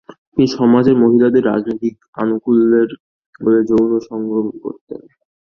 তিনি সমাজের মহিলাদের রাজনৈতিক আনুকূল্যের বদলে যৌন সম্ভোগ করতেন।